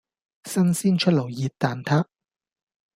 新鮮出爐熱蛋撻